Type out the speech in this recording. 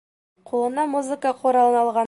Ҡулына музыка ҡоралын алған.